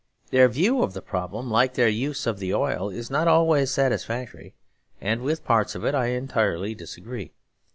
Their view of the problem, like their use of the oil, is not always satisfactory; and with parts of it I entirely disagree.